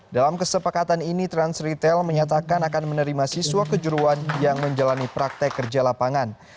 dalam kesepakatan ini trans retail menyatakan akan menerima siswa kejuruan yang menjalani praktek kerja lapangan